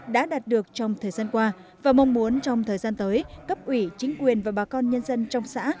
đã đạt được trong thời gian qua và mong muốn trong thời gian tới cấp ủy chính quyền và bà con nhân dân trong xã